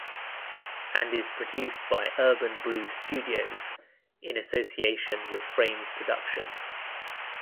And is produced by Urban Brew Studios in association with Frames Productions.